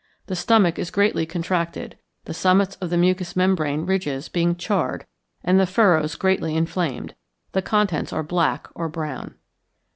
The stomach is greatly contracted, the summits of the mucous membrane ridges being charred and the furrows greatly inflamed; the contents are black or brown.